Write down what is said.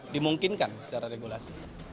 dimungkinkan secara regulasi